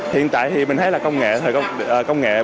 hiện tại thì mình thấy là công nghệ bốn